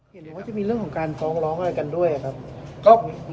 เห็นว่าจะมีเรื่องของการฟ้องร้องอะไรกันด้วยครับ